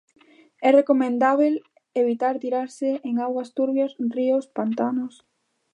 É recomendábel evitar tirarse en augas turbias, ríos pantanos...